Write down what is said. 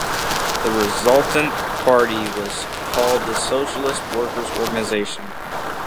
The resultant party was called the Socialist Workers Organization.